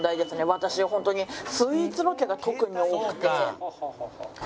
私はホントにスイーツロケが特に多くて。